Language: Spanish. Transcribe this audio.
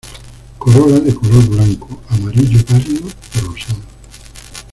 Corola de color blanco, amarillo pálido o rosado.